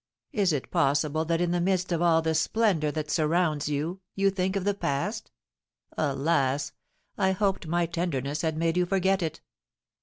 Is it possible that, in the midst of all the splendour that surrounds you, you think of the past? Alas! I hoped my tenderness had made you forget it."